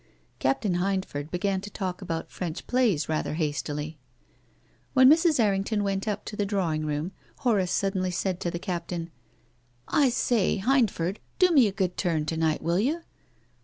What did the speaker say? Captain Hindford began to talk about French plays rather hastily. When Mrs. Errington went up to the drawing room, Horace suddenly said to the Captain —" I say, Hindford, do me a good turn to night, will you?